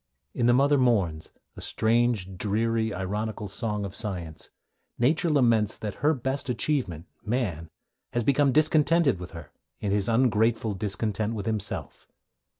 In The Mother Mourns, a strange, dreary, ironical song of science, Nature laments that her best achievement, man, has become discontented with her in his ungrateful discontent with himself.